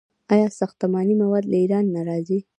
آیا ساختماني مواد له ایران نه راځي؟